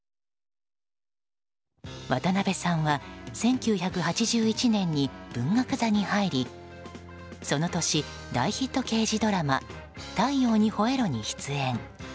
渡辺さんは１９８１年に文学座に入りその年、大ヒット刑事ドラマ「太陽にほえろ！」に出演。